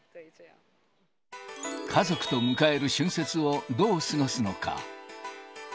家族と迎える春節をどう過ごすのか。